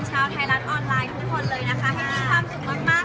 ชาวไทยรัฐออนไลน์ทุกคนเลยนะคะให้มีความสุขมาก